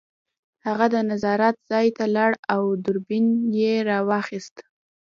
هغه د نظارت ځای ته لاړ او دوربین یې راواخیست